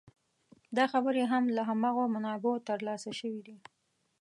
دا خبرې هم له هماغو منابعو تر لاسه شوې دي.